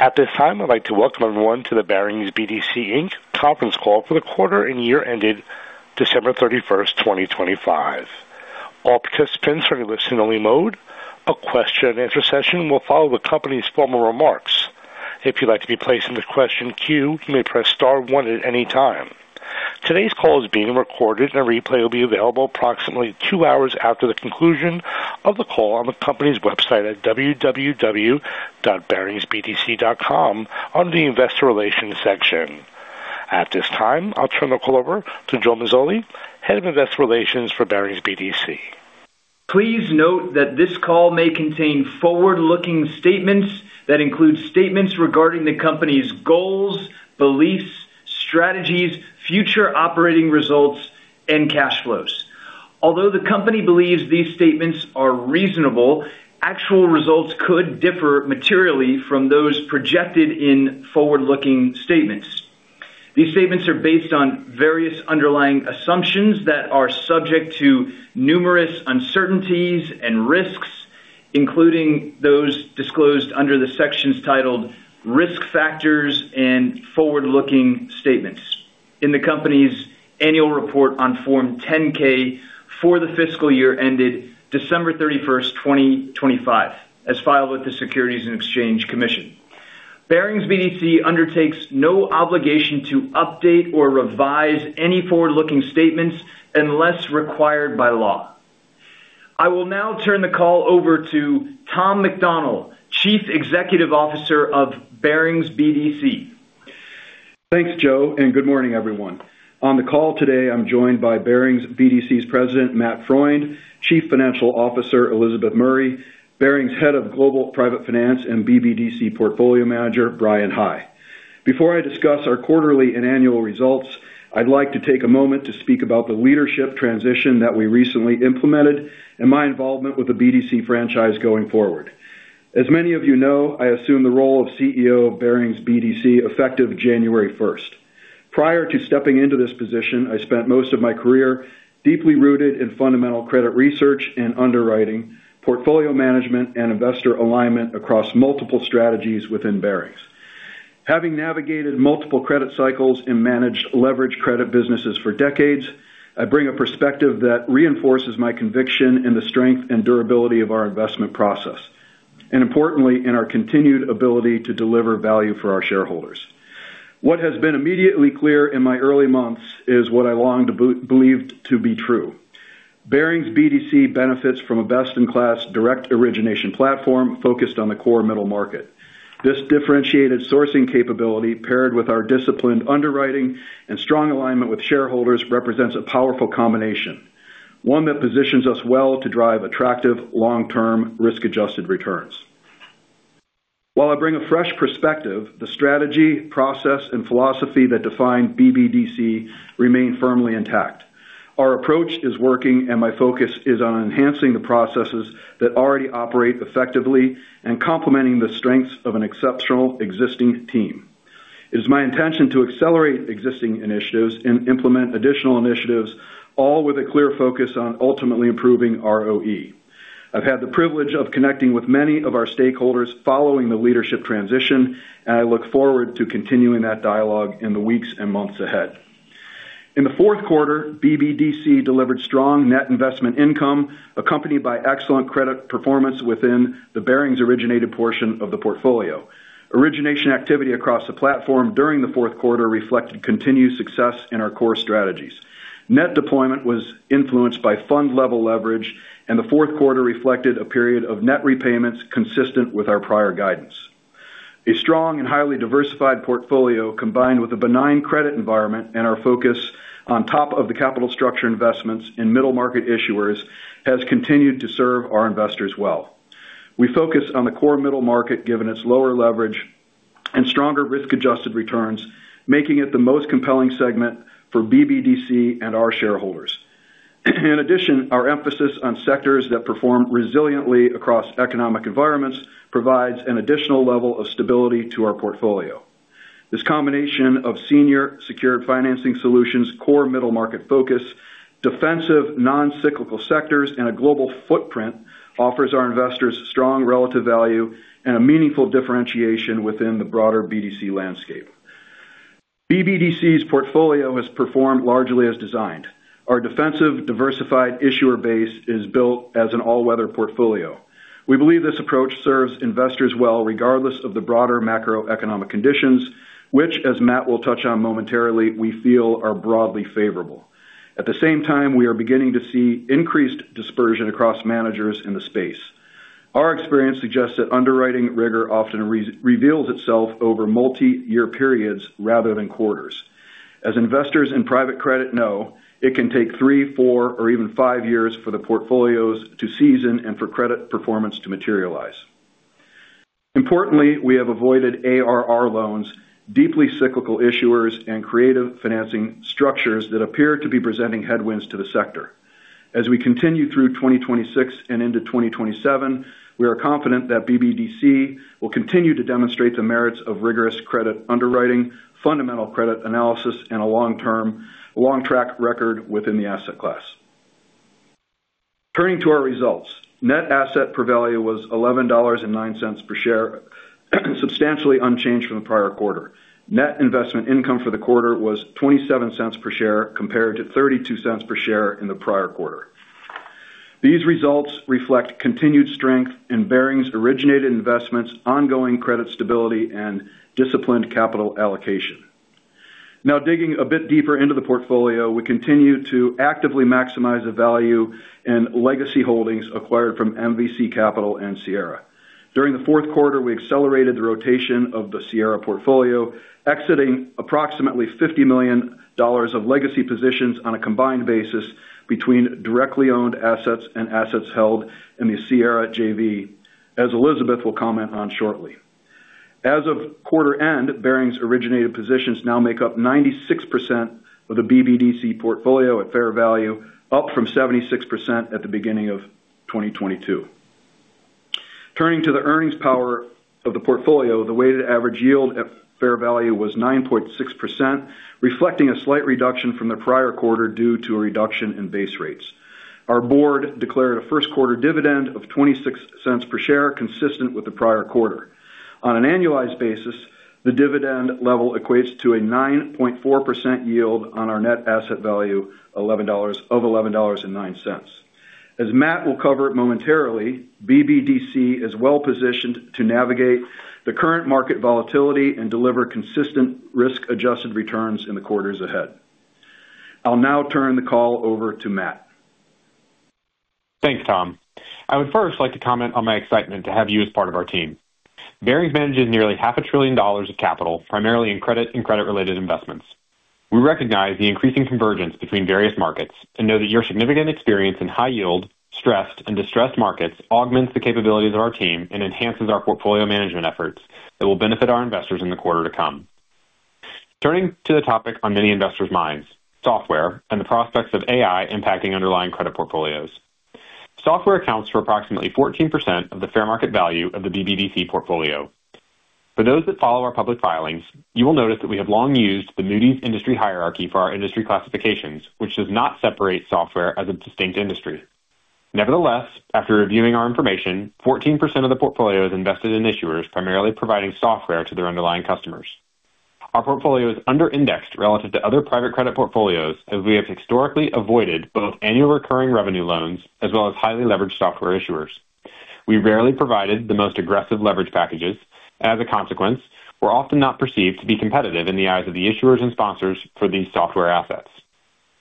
At this time, I'd like to welcome everyone to the Barings BDC, Inc. conference call for the quarter and year ended December 31st, 2025. All participants are in listen-only mode. A question and answer session will follow the company's formal remarks. If you'd like to be placed in the question queue, you may press star one at any time. Today's call is being recorded, and a replay will be available approximately two hours after the conclusion of the call on the company's website at www.baringsbdc.com under the Investor Relations section. At this time, I'll turn the call over to Joe Mazzoli, Head of Investor Relations for Barings BDC. Please note that this call may contain forward-looking statements that include statements regarding the company's goals, beliefs, strategies, future operating results, and cash flows. Although the company believes these statements are reasonable, actual results could differ materially from those projected in forward-looking statements. These statements are based on various underlying assumptions that are subject to numerous uncertainties and risks, including those disclosed under the sections titled Risk Factors and Forward-Looking Statements in the company's annual report on Form 10-K for the fiscal year ended December 31st, 2025, as filed with the Securities and Exchange Commission. Barings BDC undertakes no obligation to update or revise any forward-looking statements unless required by law. I will now turn the call over to Tom McDonnell, Chief Executive Officer of Barings BDC. Thanks, Joe, and good morning, everyone. On the call today, I'm joined by Barings BDC's President, Matt Freund, Chief Financial Officer, Elizabeth Murray, Barings Head of Global Private Finance, and BBDC Portfolio Manager, Bryan High. Before I discuss our quarterly and annual results, I'd like to take a moment to speak about the leadership transition that we recently implemented and my involvement with the BDC franchise going forward. As many of you know, I assumed the role of CEO of Barings BDC effective January 1st. Prior to stepping into this position, I spent most of my career deeply rooted in fundamental credit research and underwriting, portfolio management, and investor alignment across multiple strategies within Barings. Having navigated multiple credit cycles and managed leverage credit businesses for decades, I bring a perspective that reinforces my conviction in the strength and durability of our investment process, and importantly, in our continued ability to deliver value for our shareholders. What has been immediately clear in my early months is what I long believed to be true. Barings BDC benefits from a best-in-class direct origination platform focused on the core middle market. This differentiated sourcing capability, paired with our disciplined underwriting and strong alignment with shareholders, represents a powerful combination, one that positions us well to drive attractive long-term risk-adjusted returns. While I bring a fresh perspective, the strategy, process and philosophy that define BBDC remain firmly intact. Our approach is working, and my focus is on enhancing the processes that already operate effectively and complementing the strengths of an exceptional existing team. It is my intention to accelerate existing initiatives and implement additional initiatives, all with a clear focus on ultimately improving ROE. I've had the privilege of connecting with many of our stakeholders following the leadership transition, and I look forward to continuing that dialogue in the weeks and months ahead. In the fourth quarter, BBDC delivered strong net investment income, accompanied by excellent credit performance within the Barings-originated portion of the portfolio. Origination activity across the platform during the fourth quarter reflected continued success in our core strategies. Net deployment was influenced by fund level leverage, and the fourth quarter reflected a period of net repayments consistent with our prior guidance. A strong and highly diversified portfolio, combined with a benign credit environment and our focus on top of the capital structure investments in middle market issuers, has continued to serve our investors well. We focus on the core middle market, given its lower leverage and stronger risk-adjusted returns, making it the most compelling segment for BBDC and our shareholders. In addition, our emphasis on sectors that perform resiliently across economic environments provides an additional level of stability to our portfolio. This combination of senior secured financing solutions, core middle market focus, defensive noncyclical sectors, and a global footprint offers our investors strong relative value and a meaningful differentiation within the broader BDC landscape. BBDC's portfolio has performed largely as designed. Our defensive, diversified issuer base is built as an all-weather portfolio. We believe this approach serves investors well, regardless of the broader macroeconomic conditions, which, as Matt will touch on momentarily, we feel are broadly favorable. At the same time, we are beginning to see increased dispersion across managers in the space. Our experience suggests that underwriting rigor often reveals itself over multiyear periods rather than quarters. As investors in private credit know, it can take three, four, or even five years for the portfolios to season and for credit performance to materialize. Importantly, we have avoided ARR loans, deeply cyclical issuers, and creative financing structures that appear to be presenting headwinds to the sector. As we continue through 2026 and into 2027, we are confident that BBDC will continue to demonstrate the merits of rigorous credit underwriting, fundamental credit analysis, and a long-term, long track record within the asset class... Turning to our results. Net asset value was $11.09 per share, substantially unchanged from the prior quarter. Net investment income for the quarter was $0.27 per share, compared to $0.32 per share in the prior quarter. These results reflect continued strength in Barings originated investments, ongoing credit stability, and disciplined capital allocation. Now, digging a bit deeper into the portfolio, we continue to actively maximize the value and legacy holdings acquired from MVC Capital and Sierra. During the fourth quarter, we accelerated the rotation of the Sierra portfolio, exiting approximately $50 million of legacy positions on a combined basis between directly owned assets and assets held in the Sierra JV, as Elizabeth will comment on shortly. As of quarter end, Barings originated positions now make up 96% of the BBDC portfolio at fair value, up from 76% at the beginning of 2022. Turning to the earnings power of the portfolio, the weighted average yield at fair value was 9.6%, reflecting a slight reduction from the prior quarter due to a reduction in base rates. Our Board declared a first quarter dividend of $0.26 per share, consistent with the prior quarter. On an annualized basis, the dividend level equates to a 9.4% yield on our net asset value, $11-- of $11.09. As Matt will cover momentarily, BBDC is well positioned to navigate the current market volatility and deliver consistent risk-adjusted returns in the quarters ahead. I'll now turn the call over to Matt. Thanks, Tom. I would first like to comment on my excitement to have you as part of our team. Barings manages nearly $500 billion of capital, primarily in credit and credit-related investments. We recognize the increasing convergence between various markets and know that your significant experience in high yield, stressed, and distressed markets augments the capabilities of our team and enhances our portfolio management efforts that will benefit our investors in the quarter to come. Turning to the topic on many investors' minds, software and the prospects of AI impacting underlying credit portfolios. Software accounts for approximately 14% of the fair market value of the BBDC portfolio. For those that follow our public filings, you will notice that we have long used the Moody's industry hierarchy for our industry classifications, which does not separate software as a distinct industry. Nevertheless, after reviewing our information, 14% of the portfolio is invested in issuers, primarily providing software to their underlying customers. Our portfolio is under-indexed relative to other private credit portfolios, as we have historically avoided both annual recurring revenue loans as well as highly leveraged software issuers. We rarely provided the most aggressive leverage packages. As a consequence, we're often not perceived to be competitive in the eyes of the issuers and sponsors for these software assets.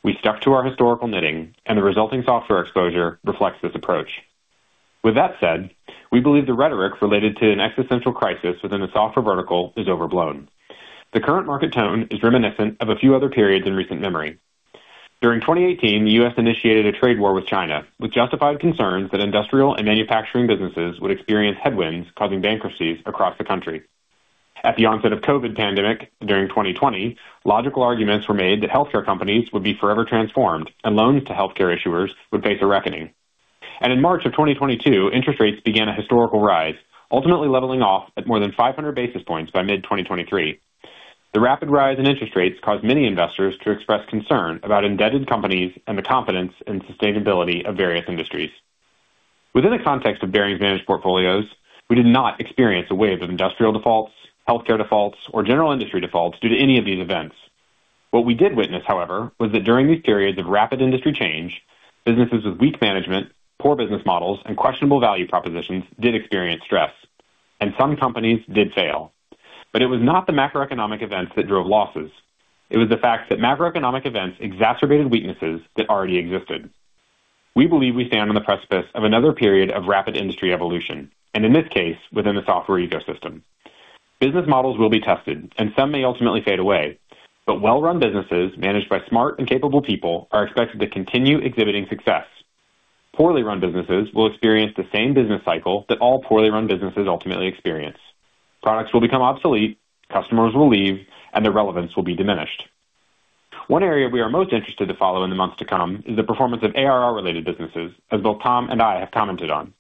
We stuck to our historical knitting, and the resulting software exposure reflects this approach. With that said, we believe the rhetoric related to an existential crisis within the software vertical is overblown. The current market tone is reminiscent of a few other periods in recent memory. During 2018, the U.S. initiated a trade war with China, with justified concerns that industrial and manufacturing businesses would experience headwinds causing bankruptcies across the country. At the onset of COVID pandemic, during 2020, logical arguments were made that healthcare companies would be forever transformed, and loans to healthcare issuers would face a reckoning. In March of 2022, interest rates began a historical rise, ultimately leveling off at more than 500 basis points by mid-2023. The rapid rise in interest rates caused many investors to express concern about indebted companies and the confidence and sustainability of various industries. Within the context of Barings managed portfolios, we did not experience a wave of industrial defaults, healthcare defaults, or general industry defaults due to any of these events. What we did witness, however, was that during these periods of rapid industry change, businesses with weak management, poor business models, and questionable value propositions did experience stress, and some companies did fail. But it was not the macroeconomic events that drove losses. It was the fact that macroeconomic events exacerbated weaknesses that already existed. We believe we stand on the precipice of another period of rapid industry evolution, and in this case, within the software ecosystem. Business models will be tested, and some may ultimately fade away, but well-run businesses managed by smart and capable people are expected to continue exhibiting success. Poorly run businesses will experience the same business cycle that all poorly run businesses ultimately experience. Products will become obsolete, customers will leave, and their relevance will be diminished. One area we are most interested to follow in the months to come is the performance of ARR related businesses, as both Tom and I have commented on,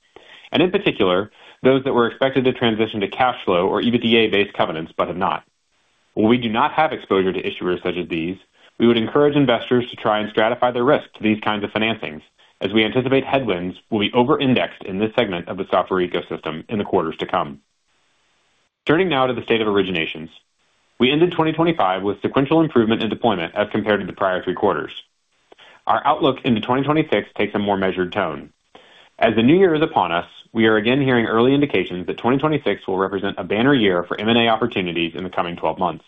and in particular, those that were expected to transition to cash flow or EBITDA-based covenants, but have not. While we do not have exposure to issuers such as these, we would encourage investors to try and stratify their risk to these kinds of financings, as we anticipate headwinds will be over-indexed in this segment of the software ecosystem in the quarters to come. Turning now to the state of originations. We ended 2025 with sequential improvement in deployment as compared to the prior three quarters. Our outlook into 2026 takes a more measured tone. As the new year is upon us, we are again hearing early indications that 2026 will represent a banner year for M&A opportunities in the coming 12 months.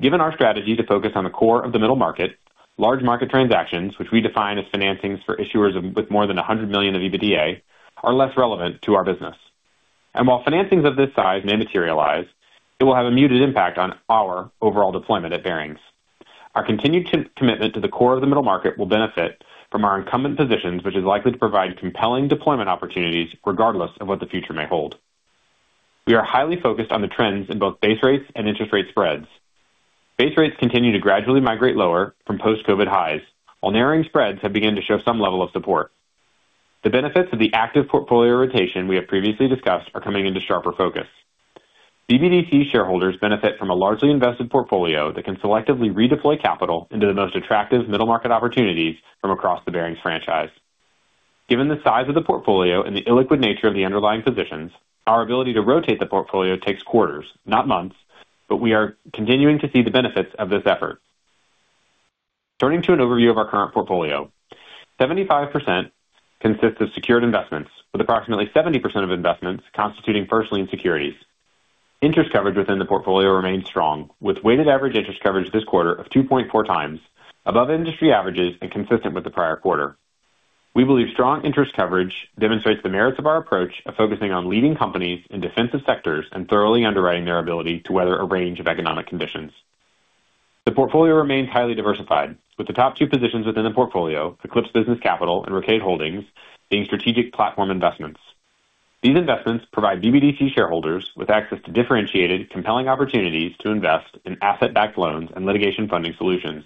Given our strategy to focus on the core of the middle market, large market transactions, which we define as financings for issuers with more than $100 million of EBITDA, are less relevant to our business. While financings of this size may materialize, it will have a muted impact on our overall deployment at Barings. Our continued commitment to the core of the middle market will benefit from our incumbent positions, which is likely to provide compelling deployment opportunities regardless of what the future may hold. We are highly focused on the trends in both base rates and interest rate spreads. Base rates continue to gradually migrate lower from post-COVID highs, while narrowing spreads have begun to show some level of support. The benefits of the active portfolio rotation we have previously discussed are coming into sharper focus.... BBDC shareholders benefit from a largely invested portfolio that can selectively redeploy capital into the most attractive middle-market opportunities from across the Barings franchise. Given the size of the portfolio and the illiquid nature of the underlying positions, our ability to rotate the portfolio takes quarters, not months, but we are continuing to see the benefits of this effort. Turning to an overview of our current portfolio. 75% consists of secured investments, with approximately 70% of investments constituting first lien securities. Interest coverage within the portfolio remains strong, with weighted average interest coverage this quarter of 2.4x, above industry averages and consistent with the prior quarter. We believe strong interest coverage demonstrates the merits of our approach of focusing on leading companies in defensive sectors and thoroughly underwriting their ability to weather a range of economic conditions. The portfolio remains highly diversified, with the top two positions within the portfolio, Eclipse Business Capital and Rocade Holdings, being strategic platform investments. These investments provide BBDC shareholders with access to differentiated, compelling opportunities to invest in asset-backed loans and litigation funding solutions.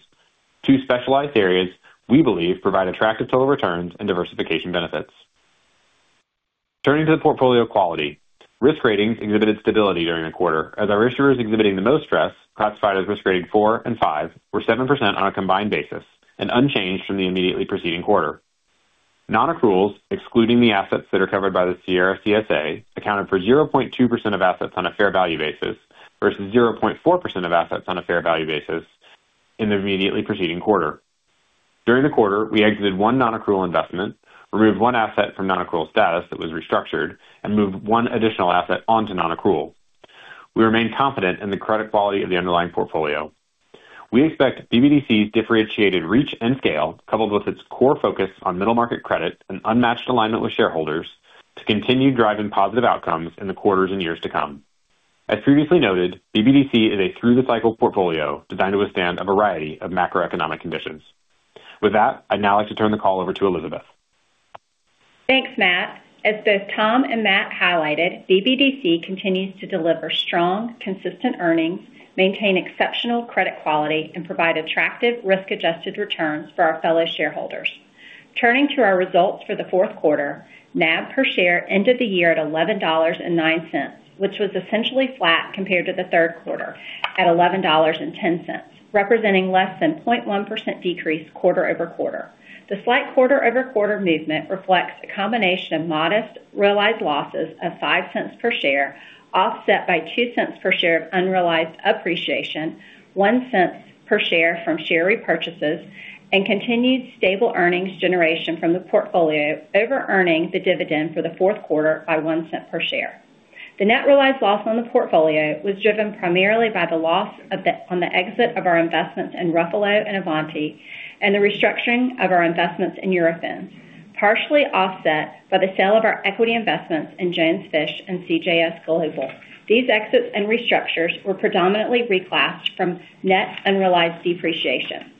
Two specialized areas we believe provide attractive total returns and diversification benefits. Turning to the portfolio quality. Risk ratings exhibited stability during the quarter as our issuers exhibiting the most stress, classified as risk rating four and five, were 7% on a combined basis and unchanged from the immediately preceding quarter. Non-accruals, excluding the assets that are covered by the Sierra CSA, accounted for 0.2% of assets on a fair value basis, versus 0.4% of assets on a fair value basis in the immediately preceding quarter. During the quarter, we exited one non-accrual investment, removed one asset from non-accrual status that was restructured, and moved one additional asset onto non-accrual. We remain confident in the credit quality of the underlying portfolio. We expect BBDC's differentiated reach and scale, coupled with its core focus on middle market credit and unmatched alignment with shareholders, to continue driving positive outcomes in the quarters and years to come. As previously noted, BBDC is a through the cycle portfolio designed to withstand a variety of macroeconomic conditions. With that, I'd now like to turn the call over to Elizabeth. Thanks, Matt. As both Tom and Matt highlighted, BBDC continues to deliver strong, consistent earnings, maintain exceptional credit quality, and provide attractive risk-adjusted returns for our fellow shareholders. Turning to our results for the fourth quarter, NAV per share ended the year at $11.09, which was essentially flat compared to the third quarter at $11.10, representing less than 0.1% decrease quarter-over-quarter. The slight quarter-over-quarter movement reflects a combination of modest realized losses of $0.05 per share, offset by $0.02 per share of unrealized appreciation, $0.01 per share from share repurchases, and continued stable earnings generation from the portfolio over earning the dividend for the fourth quarter by $0.01 per share. The net realized loss on the portfolio was driven primarily by the loss on the exit of our investments in Ruffalo and Avance, and the restructuring of our investments in Eurofins, partially offset by the sale of our equity investments in Jones Fish and CJS Global. These exits and restructures were predominantly reclassed from net unrealized depreciation.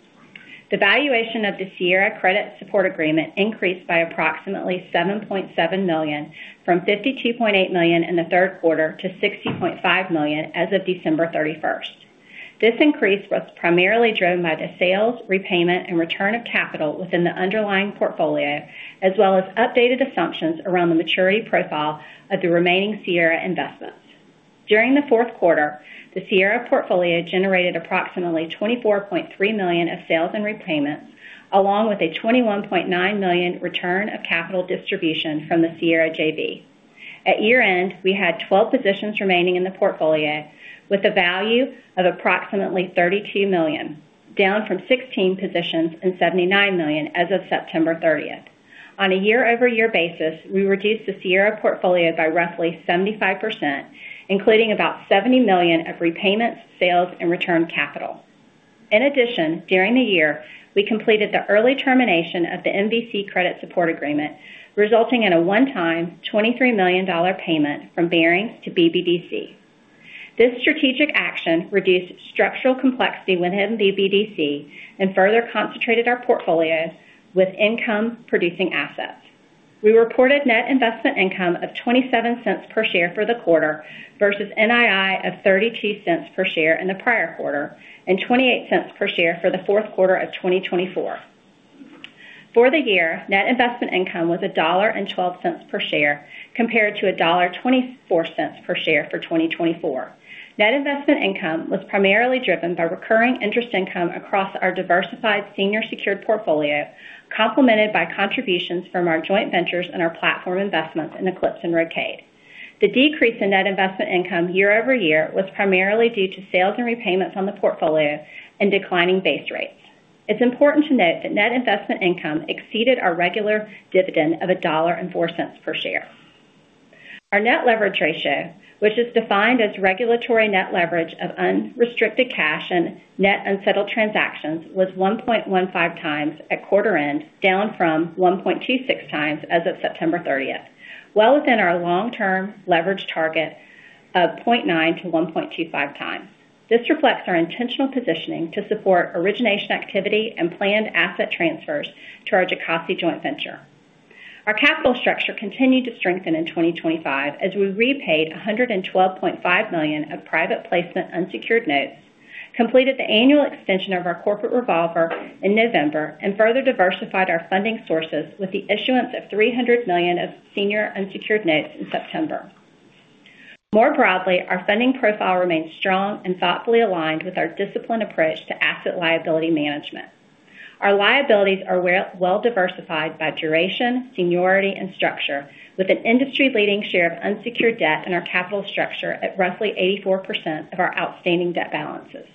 The valuation of the Sierra Credit Support Agreement increased by approximately $7.7 million, from $52.8 million in the third quarter to $60.5 million as of December 31st. This increase was primarily driven by the sales, repayment, and return of capital within the underlying portfolio, as well as updated assumptions around the maturity profile of the remaining Sierra investments. During the fourth quarter, the Sierra portfolio generated approximately $24.3 million of sales and repayments, along with a $21.9 million return of capital distribution from the Sierra JV. At year-end, we had 12 positions remaining in the portfolio, with a value of approximately $32 million, down from 16 positions and $79 million as of September 30th. On a year-over-year basis, we reduced the Sierra portfolio by roughly 75%, including about $70 million of repayments, sales, and return capital. In addition, during the year, we completed the early termination of the MVC Credit Support Agreement, resulting in a one-time $23 million payment from Barings to BBDC. This strategic action reduced structural complexity within BBDC and further concentrated our portfolio with income-producing assets. We reported net investment income of $0.27 per share for the quarter, versus NII of $0.32 per share in the prior quarter, and $0.28 per share for the fourth quarter of 2024. For the year, net investment income was $1.12 per share, compared to $1.24 per share for 2024. Net investment income was primarily driven by recurring interest income across our diversified senior secured portfolio, complemented by contributions from our joint ventures and our platform investments in Eclipse and Rocade. The decrease in net investment income year-over-year was primarily due to sales and repayments on the portfolio and declining base rates. It's important to note that net investment income exceeded our regular dividend of $1.04 per share. Our net leverage ratio, which is defined as regulatory net leverage of unrestricted cash and net unsettled transactions, was 1.15x at quarter end, down from 1.26x as of September 30th. Well within our long-term leverage target of 0.9x-1.25x. This reflects our intentional positioning to support origination activity and planned asset transfers to our Jocassee joint venture. Our capital structure continued to strengthen in 2025 as we repaid $112.5 million of private placement unsecured notes... completed the annual extension of our corporate revolver in November and further diversified our funding sources with the issuance of $300 million of senior unsecured notes in September. More broadly, our funding profile remains strong and thoughtfully aligned with our disciplined approach to asset liability management. Our liabilities are well, well diversified by duration, seniority, and structure, with an industry-leading share of unsecured debt in our capital structure at roughly 84% of our outstanding debt balances.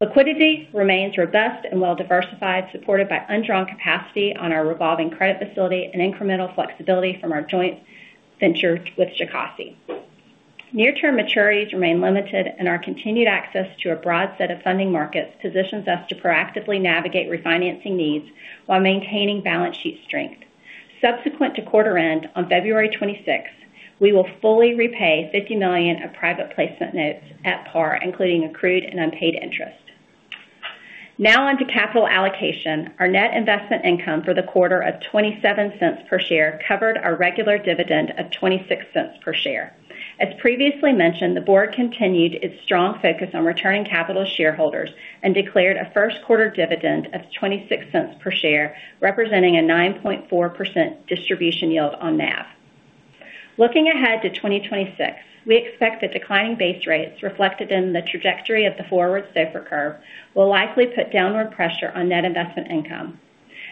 Liquidity remains robust and well diversified, supported by undrawn capacity on our revolving credit facility and incremental flexibility from our joint venture with Jocassee. Near-term maturities remain limited, and our continued access to a broad set of funding markets positions us to proactively navigate refinancing needs while maintaining balance sheet strength. Subsequent to quarter end, on February 26th, we will fully repay $50 million of private placement notes at par, including accrued and unpaid interest. Now on to capital allocation. Our net investment income for the quarter of $0.27 per share covered our regular dividend of $0.26 per share. As previously mentioned, the Board continued its strong focus on returning capital to shareholders and declared a first quarter dividend of $0.26 per share, representing a 9.4% distribution yield on NAV. Looking ahead to 2026, we expect that declining base rates, reflected in the trajectory of the forward SOFR curve, will likely put downward pressure on net investment income.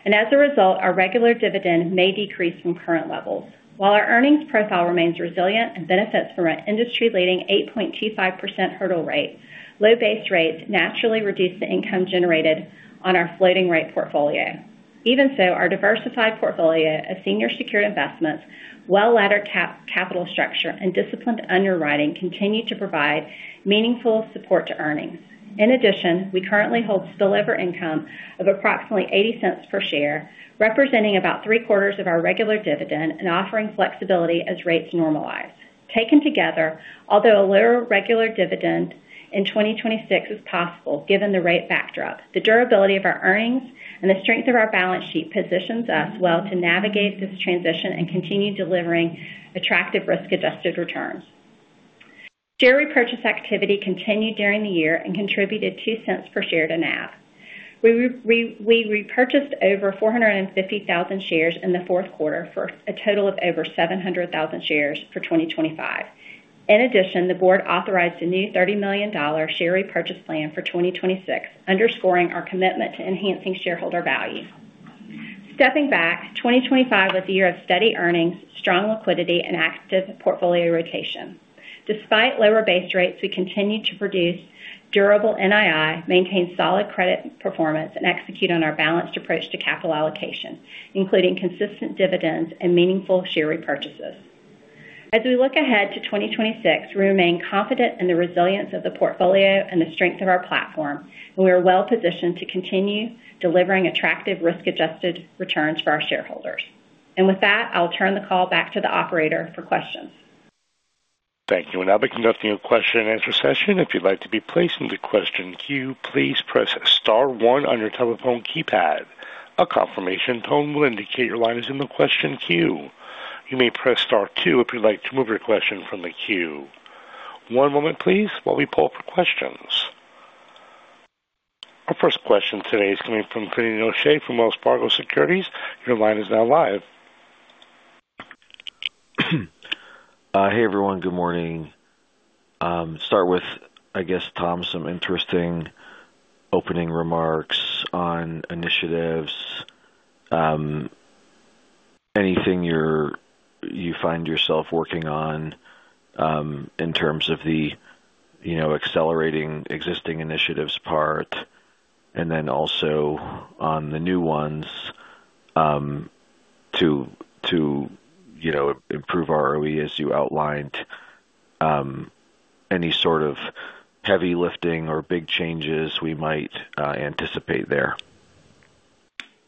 As a result, our regular dividend may decrease from current levels. While our earnings profile remains resilient and benefits from our industry-leading 8.25% hurdle rate, low base rates naturally reduce the income generated on our floating rate portfolio. Even so, our diversified portfolio of senior secured investments, well-laddered capital structure, and disciplined underwriting continue to provide meaningful support to earnings. In addition, we currently hold spillover income of approximately $0.80 per share, representing about three-quarters of our regular dividend and offering flexibility as rates normalize. Taken together, although a lower regular dividend in 2026 is possible, given the rate backdrop, the durability of our earnings and the strength of our balance sheet positions us well to navigate this transition and continue delivering attractive risk-adjusted returns. Share repurchase activity continued during the year and contributed $0.02 per share to NAV. We repurchased over 450,000 shares in the fourth quarter for a total of over 700,000 shares for 2025. In addition, the Board authorized a new $30 million share repurchase plan for 2026, underscoring our commitment to enhancing shareholder value. Stepping back, 2025 was a year of steady earnings, strong liquidity, and active portfolio rotation. Despite lower base rates, we continued to produce durable NII, maintain solid credit performance, and execute on our balanced approach to capital allocation, including consistent dividends and meaningful share repurchases. As we look ahead to 2026, we remain confident in the resilience of the portfolio and the strength of our platform, and we are well positioned to continue delivering attractive risk-adjusted returns for our shareholders. And with that, I'll turn the call back to the operator for questions. Thank you. We're now conducting a question-and-answer session. If you'd like to be placed into the question queue, please press star one on your telephone keypad. A confirmation tone will indicate your line is in the question queue. You may press star two if you'd like to remove your question from the queue. One moment, please, while we poll for questions. Our first question today is coming from Finian O'Shea from Wells Fargo Securities. Your line is now live. Hey, everyone. Good morning. Start with, I guess, Tom, some interesting opening remarks on initiatives. Anything you find yourself working on, in terms of the, you know, accelerating existing initiatives part, and then also on the new ones, to, to, you know, improve our ROE as you outlined, any sort of heavy lifting or big changes we might anticipate there?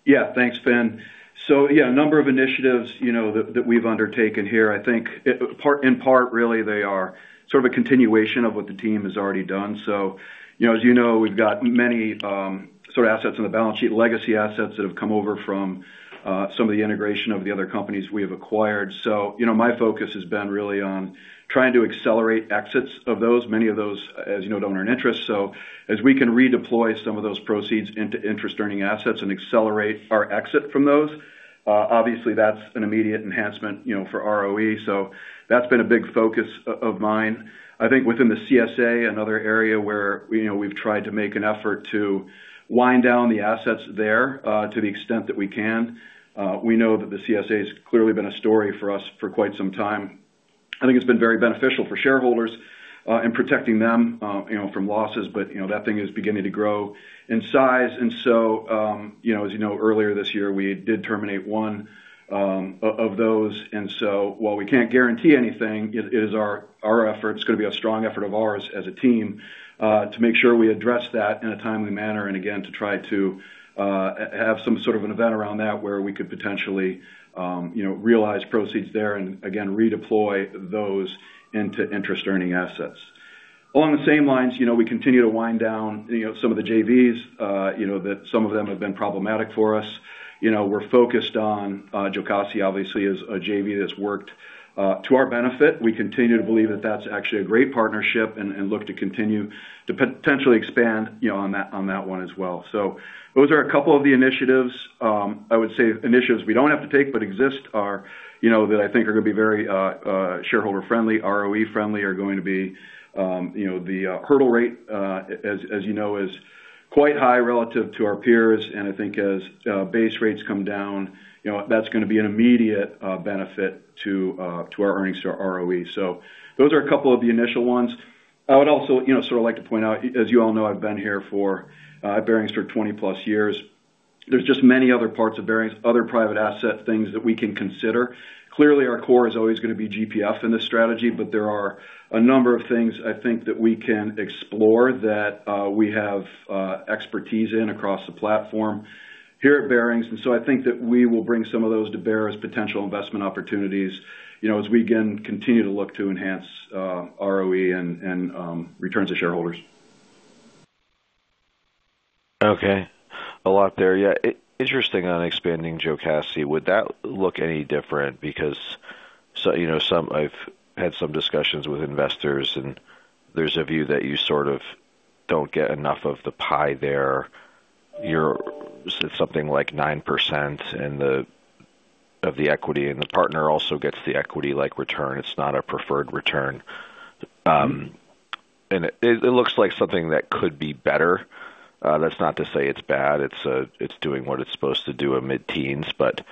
Yeah. Thanks, Fin. So yeah, a number of initiatives, you know, that we've undertaken here. I think, in part, really, they are sort of a continuation of what the team has already done. So, you know, as you know, we've got many sort of assets on the balance sheet, legacy assets that have come over from some of the integration of the other companies we have acquired. So, you know, my focus has been really on trying to accelerate exits of those. Many of those, as you know, don't earn interest. So as we can redeploy some of those proceeds into interest-earning assets and accelerate our exit from those, obviously, that's an immediate enhancement, you know, for ROE. So that's been a big focus of mine. I think within the CSA, another area where, you know, we've tried to make an effort to wind down the assets there, to the extent that we can. We know that the CSA has clearly been a story for us for quite some time. I think it's been very beneficial for shareholders, in protecting them, you know, from losses, but, you know, that thing is beginning to grow in size. And so, you know, as you know, earlier this year, we did terminate one of those. And so while we can't guarantee anything, it is our effort. It's going to be a strong effort of ours as a team, to make sure we address that in a timely manner, and again, to try to have some sort of an event around that, where we could potentially, you know, realize proceeds there and again, redeploy those into interest-earning assets... Along the same lines, you know, we continue to wind down, you know, some of the JVs, you know, that some of them have been problematic for us. You know, we're focused on Jocassee, obviously, is a JV that's worked to our benefit. We continue to believe that that's actually a great partnership and look to continue to potentially expand, you know, on that, on that one as well. So those are a couple of the initiatives. I would say initiatives we don't have to take but exist are, you know, that I think are gonna be very, shareholder friendly, ROE friendly, are going to be, you know, the hurdle rate, as you know, is quite high relative to our peers. I think as base rates come down, you know, that's gonna be an immediate benefit to our earnings, to our ROE. Those are a couple of the initial ones. I would also, you know, sort of like to point out, as you all know, I've been here for at Barings for 20+ years. There's just many other parts of Barings, other private asset things that we can consider. Clearly, our core is always gonna be GPF in this strategy, but there are a number of things I think that we can explore that we have expertise in across the platform here at Barings. And so I think that we will bring some of those to bear as potential investment opportunities, you know, as we again continue to look to enhance ROE and returns to shareholders. Okay. A lot there. Yeah, interesting on expanding Jocassee. Would that look any different? Because you know, I've had some discussions with investors, and there's a view that you sort of don't get enough of the pie there. You're something like 9% in the, of the equity, and the partner also gets the equity-like return. It's not a preferred return. And it looks like something that could be better. That's not to say it's bad. It's doing what it's supposed to do in mid-teens, but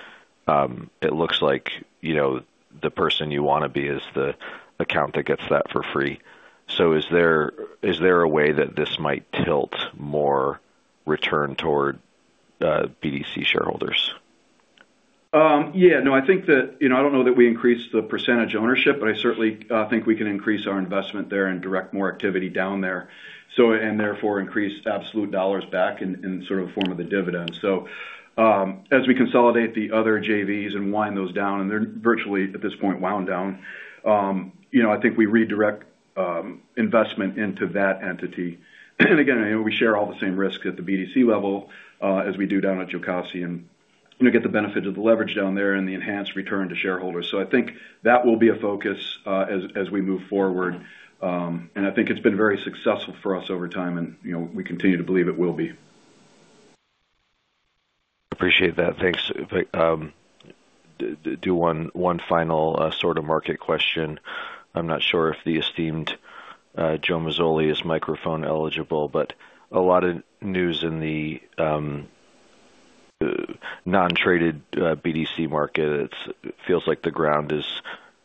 it looks like, you know, the person you wanna be is the account that gets that for free. So is there a way that this might tilt more return toward BDC shareholders? Yeah, no, I think that... You know, I don't know that we increased the percentage ownership, but I certainly think we can increase our investment there and direct more activity down there, so, and therefore, increase absolute dollars back in, in sort of the form of the dividend. So, as we consolidate the other JVs and wind those down, and they're virtually, at this point, wound down, you know, I think we redirect investment into that entity. And again, we share all the same risk at the BDC level, as we do down at Jocassee, and we get the benefit of the leverage down there and the enhanced return to shareholders. So I think that will be a focus, as we move forward. I think it's been very successful for us over time, and, you know, we continue to believe it will be. Appreciate that. Thanks. Do one final, sort of market question. I'm not sure if the esteemed Joe Mazzoli is microphone eligible, but a lot of news in the non-traded BDC market. It feels like the ground is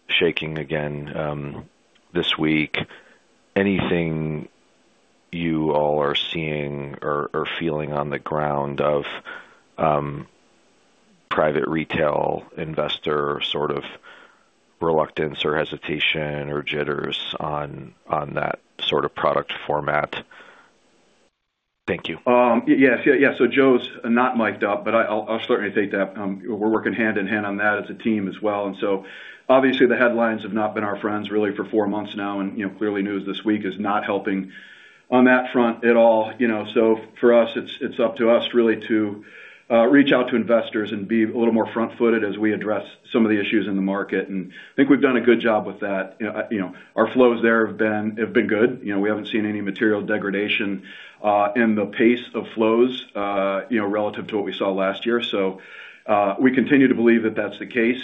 shaking again this week. Anything you all are seeing or feeling on the ground of private retail investor sort of reluctance or hesitation or jitters on that sort of product format? Thank you. Yes. Yeah, yeah. So Joe's not mic'd up, but I'll certainly take that. We're working hand in hand on that as a team as well. So obviously the headlines have not been our friends really for four months now, and, you know, clearly news this week is not helping on that front at all. You know, so for us, it's up to us really to reach out to investors and be a little more front-footed as we address some of the issues in the market. And I think we've done a good job with that. You know, you know, our flows there have been good. You know, we haven't seen any material degradation in the pace of flows, you know, relative to what we saw last year. So, we continue to believe that that's the case,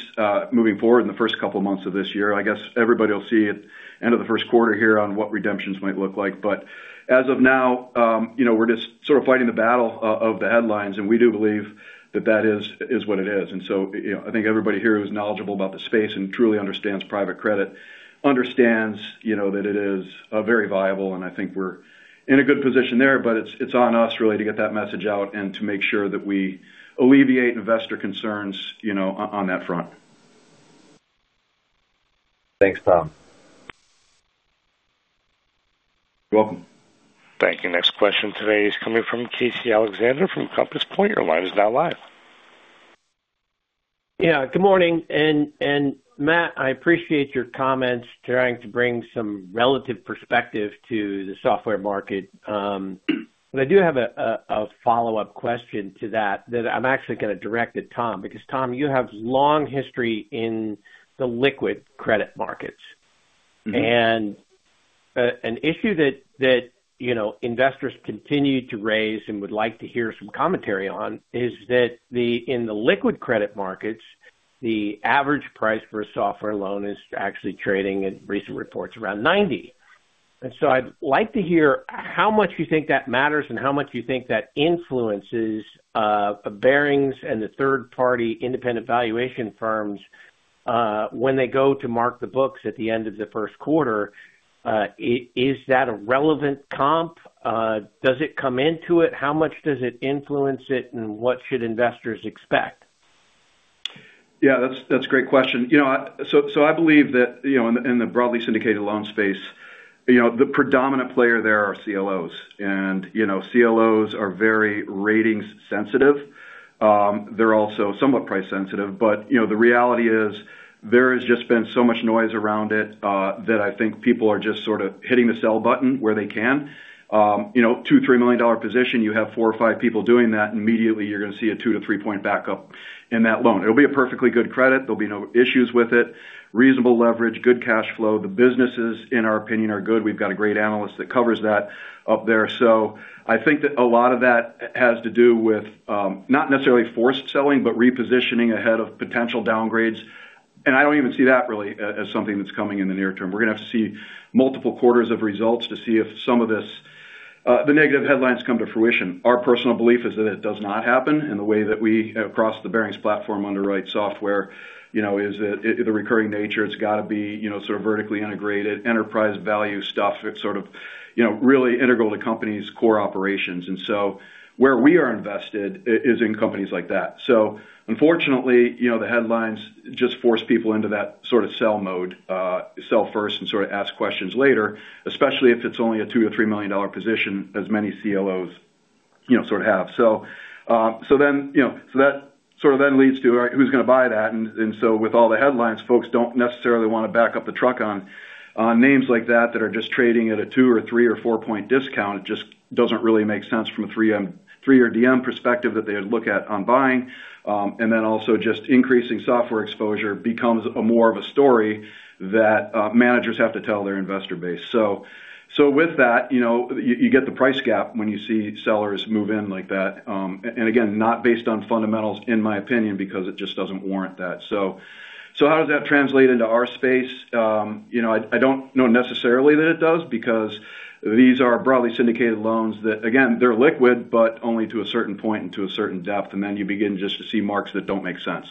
moving forward in the first couple of months of this year. I guess everybody will see it end of the first quarter here on what redemptions might look like. But as of now, you know, we're just sort of fighting the battle of the headlines, and we do believe that that is what it is. And so, you know, I think everybody here who is knowledgeable about the space and truly understands private credit, understands, you know, that it is very viable, and I think we're in a good position there. But it's on us really to get that message out and to make sure that we alleviate investor concerns, you know, on that front. Thanks, Tom. Welcome. Thank you. Next question today is coming from Casey Alexander from Compass Point. Your line is now live. Yeah, good morning. And Matt, I appreciate your comments, trying to bring some relative perspective to the software market. But I do have a follow-up question to that that I'm actually gonna direct at Tom, because Tom, you have long history in the liquid credit markets. Mm-hmm. An issue that, you know, investors continue to raise and would like to hear some commentary on is that in the liquid credit markets, the average price for a software loan is actually trading in recent reports around 90. So I'd like to hear how much you think that matters and how much you think that influences Barings and the third-party independent valuation firms when they go to mark the books at the end of the first quarter. Is that a relevant comp? Does it come into it? How much does it influence it, and what should investors expect? Yeah, that's a great question. You know, so I believe that, you know, in the broadly syndicated loan space, you know, the predominant player there are CLOs. And, you know, CLOs are very ratings sensitive. They're also somewhat price sensitive, but, you know, the reality is there has just been so much noise around it, that I think people are just sort of hitting the sell button where they can. You know, $2 million-$3 million position, you have four or five people doing that, and immediately you're gonna see a two to three point backup in that loan. It'll be a perfectly good credit. There'll be no issues with it. Reasonable leverage, good cash flow. The businesses, in our opinion, are good. We've got a great analyst that covers that up there. So I think that a lot of that has to do with, not necessarily forced selling, but repositioning ahead of potential downgrades. And I don't even see that really as something that's coming in the near term. We're gonna have to see multiple quarters of results to see if some of this, the negative headlines come to fruition. Our personal belief is that it does not happen, and the way that we, across the Barings platform, underwrite software, you know, is that it—the recurring nature, it's gotta be, you know, sort of vertically integrated, enterprise value stuff. It's sort of, you know, really integral to companies' core operations. And so where we are invested is in companies like that. So unfortunately, you know, the headlines just force people into that sort of sell mode, sell first and sort of ask questions later, especially if it's only a $2 million-$3 million position, as many CLOs, you know, sort of have. So then, you know, so that sort of then leads to, all right, who's gonna buy that? And so with all the headlines, folks don't necessarily wanna back up the truck on names like that that are just trading at a two-, three-, or four-point discount. It just doesn't really make sense from a three M, three year DM perspective that they look at on buying. And then also just increasing software exposure becomes more of a story that managers have to tell their investor base. So with that, you know, you get the price gap when you see sellers move in like that. And again, not based on fundamentals, in my opinion, because it just doesn't warrant that. So how does that translate into our space? You know, I don't know necessarily that it does, because these are broadly syndicated loans that, again, they're liquid, but only to a certain point and to a certain depth, and then you begin just to see marks that don't make sense.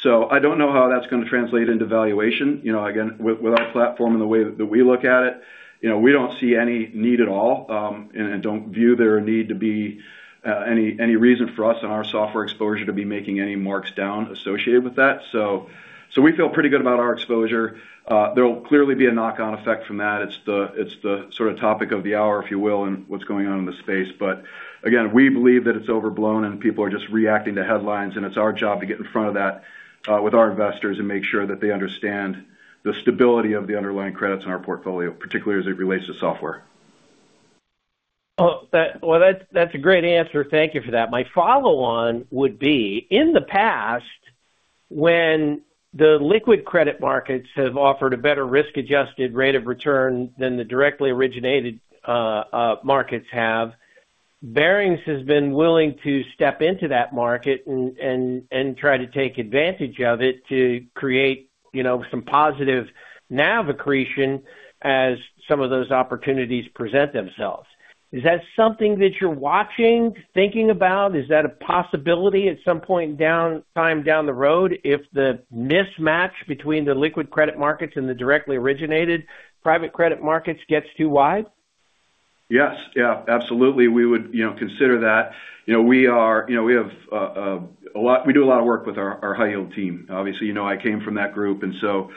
So I don't know how that's gonna translate into valuation. You know, again, with our platform and the way that we look at it, you know, we don't see any need at all, and don't view there a need to be any reason for us and our software exposure to be making any marks down associated with that. So we feel pretty good about our exposure. There will clearly be a knock-on effect from that. It's the sort of topic of the hour, if you will, and what's going on in the space. But again, we believe that it's overblown and people are just reacting to headlines, and it's our job to get in front of that with our investors and make sure that they understand the stability of the underlying credits in our portfolio, particularly as it relates to software. Oh, well, that's a great answer. Thank you for that. My follow on would be: In the past, when the liquid credit markets have offered a better risk-adjusted rate of return than the directly originated markets have, Barings has been willing to step into that market and try to take advantage of it to create, you know, some positive NAV accretion as some of those opportunities present themselves. Is that something that you're watching, thinking about? Is that a possibility at some point down the road, if the mismatch between the liquid credit markets and the directly originated private credit markets gets too wide? Yes. Yeah, absolutely. We would, you know, consider that. You know, we are. You know, we have a lot—we do a lot of work with our high yield team. Obviously, you know, I came from that group, and so,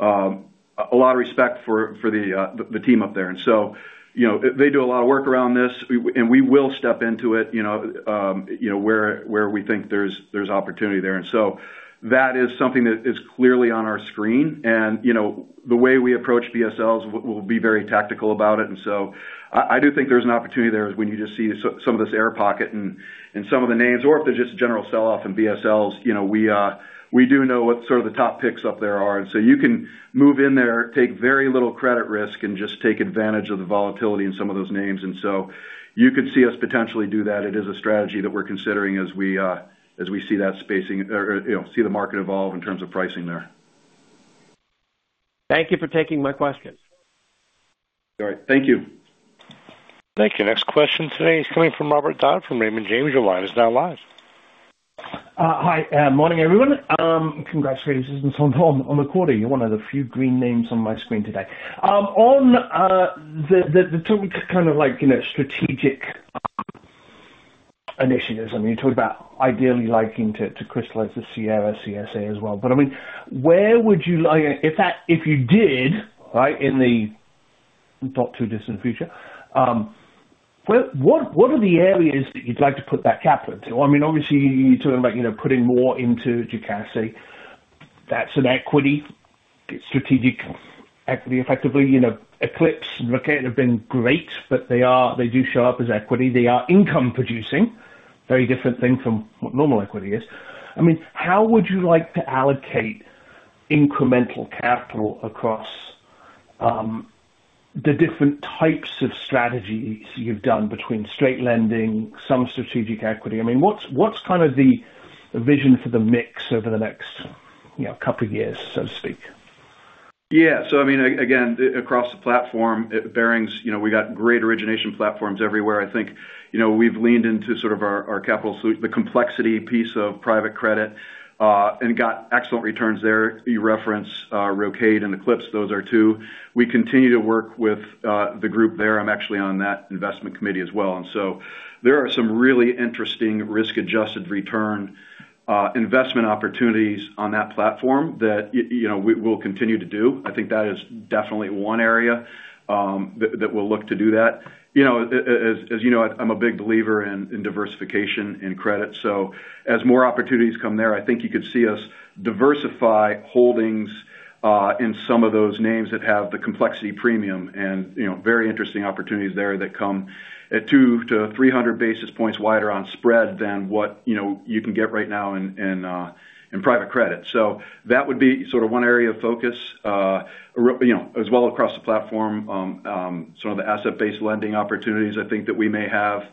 a lot of respect for the team up there. And so, you know, they do a lot of work around this, and we will step into it, you know, where we think there's opportunity there. And so that is something that is clearly on our screen. And, you know, the way we approach BSLs, we'll be very tactical about it. And so I do think there's an opportunity there when you just see some of this air pocket and some of the names or if there's just a general sell-off in BSLs, you know, we do know what sort of the top picks up there are. And so you can move in there, take very little credit risk, and just take advantage of the volatility in some of those names. And so you could see us potentially do that. It is a strategy that we're considering as we see that spacing or, you know, see the market evolve in terms of pricing there. Thank you for taking my questions. All right. Thank you. Thank you. Next question today is coming from Robert Dodd from Raymond James. Your line is now live. Hi, morning, everyone. Congratulations on the quarter. You're one of the few green names on my screen today. On the two kind of like, you know, strategic initiatives, I mean, you talked about ideally liking to crystallize the Sierra CSA as well. But, I mean, where would you like... If that- if you did, right, in the not too distant future, where-- what are the areas that you'd like to put that capital into? I mean, obviously, you're talking about, you know, putting more into Jocassee. That's an equity, strategic equity, effectively, you know, Eclipse and Rocade have been great, but they are-- they do show up as equity. They are income producing, very different thing from what normal equity is. I mean, how would you like to allocate incremental capital across, the different types of strategies you've done between straight lending, some strategic equity? I mean, what's kind of the vision for the mix over the next, you know, couple of years, so to speak? Yeah. So I mean, again, across the platform at Barings, you know, we got great origination platforms everywhere. I think, you know, we've leaned into sort of our, our capital suite, the complexity piece of private credit, and got excellent returns there. You referenced, Rocade and Eclipse. Those are two. We continue to work with, the group there. I'm actually on that investment committee as well. And so there are some really interesting risk-adjusted return, investment opportunities on that platform that, you know, we will continue to do. I think that is definitely one area, that, that we'll look to do that. You know, as, as you know, I'm a big believer in, in diversification in credit. So as more opportunities come there, I think you could see us diversify holdings in some of those names that have the complexity premium, and, you know, very interesting opportunities there that come at 200-300 basis points wider on spread than what, you know, you can get right now in private credit. So that would be sort of one area of focus. You know, as well across the platform, some of the asset-based lending opportunities I think that we may have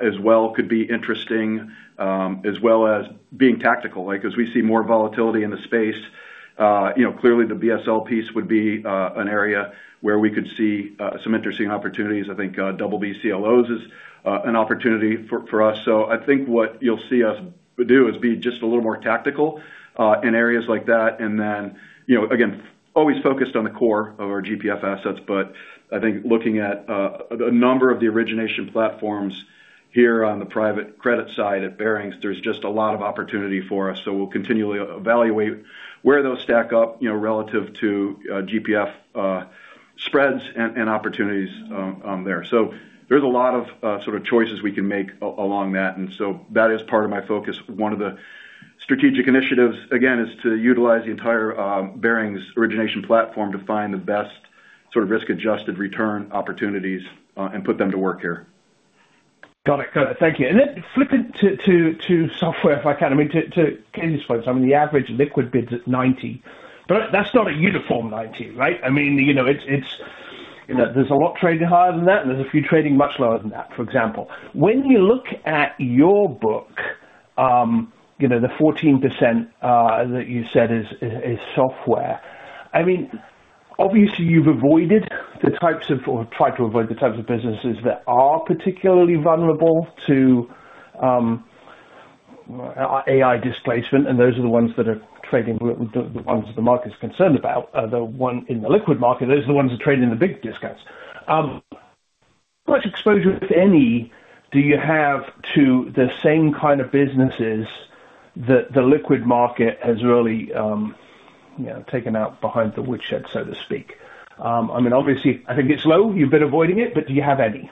as well could be interesting, as well as being tactical. Like, as we see more volatility in the space, you know, clearly the BSL piece would be an area where we could see some interesting opportunities. I think Double B CLOs is an opportunity for us. So I think what you'll see us do is be just a little more tactical in areas like that. And then, you know, again, always focused on the core of our GPF assets. But I think looking at a number of the origination platforms here on the private credit side at Barings, there's just a lot of opportunity for us. So we'll continually evaluate where those stack up, you know, relative to GPF spreads and opportunities on there. So there's a lot of sort of choices we can make along that, and so that is part of my focus. One of the strategic initiatives, again, is to utilize the entire Barings origination platform to find the best sort of risk-adjusted return opportunities and put them to work here. Got it. Got it. Thank you. And then flipping to software, if I can, I mean, to Casey's point, I mean, the average liquid bid's at 90. But that's not a uniform 90, right? I mean, you know, it's... You know, there's a lot trading higher than that, and there's a few trading much lower than that, for example. When you look at your book, you know, the 14% that you said is software. I mean, obviously, you've avoided the types of, or tried to avoid the types of businesses that are particularly vulnerable to AI displacement, and those are the ones that are trading, the ones that the market's concerned about, the one in the liquid market, those are the ones that trade in the big discounts. What exposure, if any, do you have to the same kind of businesses that the liquid market has really, you know, taken out behind the woodshed, so to speak? I mean, obviously, I think it's low. You've been avoiding it, but do you have any?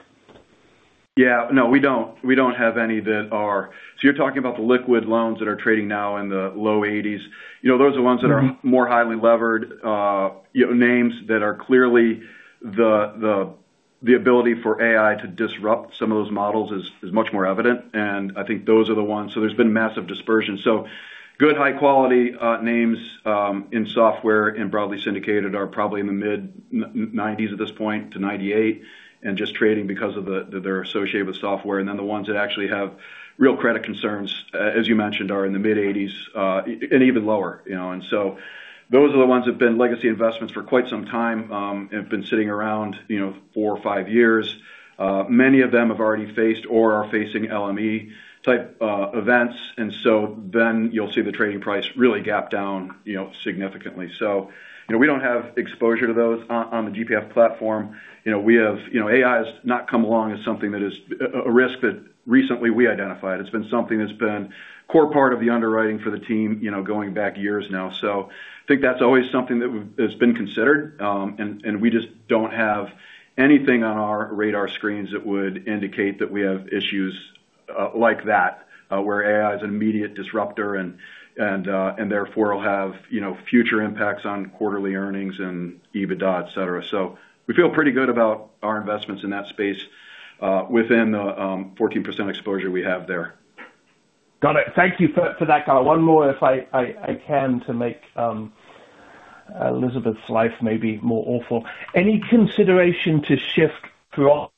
Yeah. No, we don't. We don't have any that are... So you're talking about the liquid loans that are trading now in the low 80s. You know, those are the ones that are- Mm-hmm. more highly levered, you know, names that are clearly the ability for AI to disrupt some of those models is much more evident, and I think those are the ones. So there's been massive dispersion. So good, high quality, names in software and broadly syndicated are probably in the mid-90s at this point to 98, and just trading because of the, they're associated with software. And then the ones that actually have real credit concerns, as you mentioned, are in the mid-80s, and even lower, you know? And so those are the ones that have been legacy investments for quite some time, and have been sitting around, you know, four or five years. Many of them have already faced or are facing LME-type events. And so then you'll see the trading price really gap down, you know, significantly. So, you know, we don't have exposure to those on the GPF platform. You know, AI has not come along as something that is a risk that recently we identified. It's been something that's been core part of the underwriting for the team, you know, going back years now. So I think that's always something that has been considered, and we just don't have anything on our radar screens that would indicate that we have issues like that where AI is an immediate disruptor and therefore will have, you know, future impacts on quarterly earnings and EBITDA, et cetera. So we feel pretty good about our investments in that space within the 14% exposure we have there. Got it. Thank you for that color. One more, if I can, to make Elizabeth's life maybe more awful. Any consideration to shift through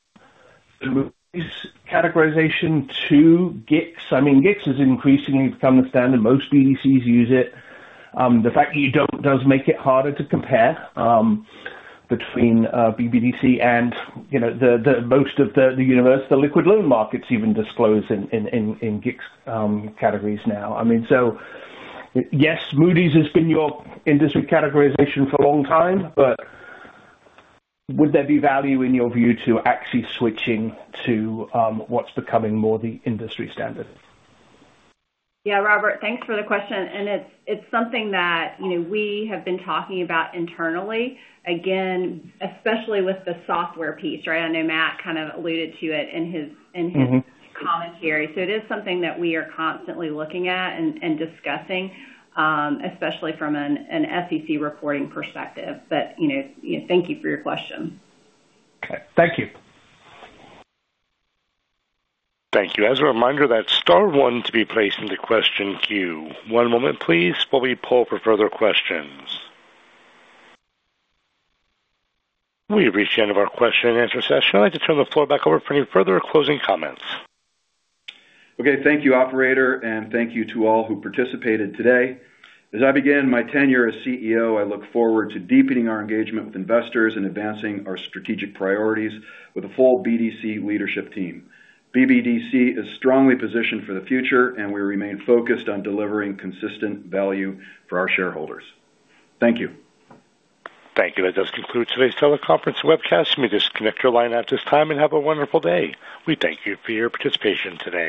this categorization to GICS? I mean, GICS is increasingly become the standard. Most BDCs use it. The fact that you don't does make it harder to compare between BBDC and, you know, the most of the universe, the liquid loan markets even disclose in GICS categories now. I mean, so yes, Moody's has been your industry categorization for a long time, but would there be value in your view to actually switching to what's becoming more the industry standard? Yeah, Robert, thanks for the question, and it's something that, you know, we have been talking about internally, again, especially with the software piece, right? I know Matt kind of alluded to it in his Mm-hmm. commentary. So it is something that we are constantly looking at and discussing, especially from an SEC reporting perspective. But, you know, thank you for your question. Okay. Thank you. Thank you. As a reminder, that's star one to be placed into question queue. One moment, please, while we pull for further questions. We've reached the end of our question and answer session. I'd like to turn the floor back over for any further closing comments. Okay. Thank you, operator, and thank you to all who participated today. As I begin my tenure as CEO, I look forward to deepening our engagement with investors and advancing our strategic priorities with a full BDC leadership team. BBDC is strongly positioned for the future, and we remain focused on delivering consistent value for our shareholders. Thank you. Thank you. That does conclude today's teleconference webcast. You may disconnect your line at this time, and have a wonderful day. We thank you for your participation today.